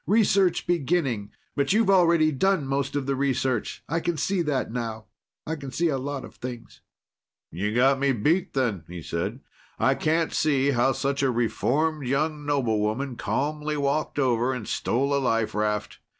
Research beginning. But you've already done most of the research. I can see that now. I can see a lot of things." "You've got me beat then," he said. "I can't see how such a reformed young noblewoman calmly walked over and stole a life raft.